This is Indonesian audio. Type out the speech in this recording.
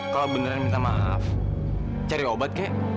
kalau beneran minta maaf cari obat kek